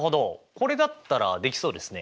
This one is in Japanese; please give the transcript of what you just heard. これだったらできそうですね。